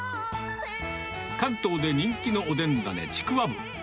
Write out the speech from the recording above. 関東で人気のおでん種、ちくわぶ。